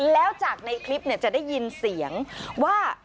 แล้วจากในคลิปจะได้ยินเสียงว่า